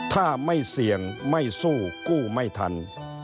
ถ้าไม่เสี่ยงไม่สู้กู้ไม่ทัน